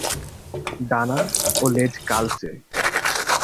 ডানা ও লেজ কালচে।